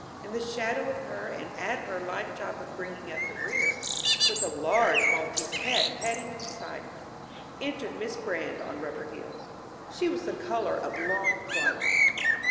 In the shadow of her and at her life job of bringing up the rear, with a large Maltese cat padding beside her, entered Miss Brand on rubber heels. She was the color of long twilight.